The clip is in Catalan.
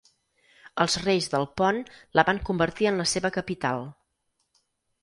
Els reis del Pont la van convertir en la seva capital.